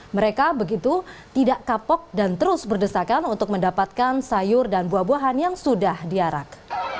mereka begitu tidak kapok dan terus berdesakan untuk mendapatkan sayur dan buah buahan yang sudah diarak